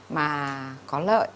mà có lợi